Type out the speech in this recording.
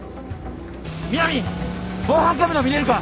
南防犯カメラ見れるか？